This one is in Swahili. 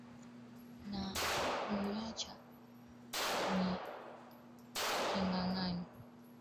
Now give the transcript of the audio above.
Na kuniacha nikining'inia kwa kamba